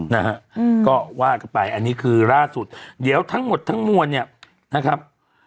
นะฮะอืมก็ว่ากันไปอันนี้คือล่าสุดเดี๋ยวทั้งหมดทั้งมวลเนี่ยนะครับ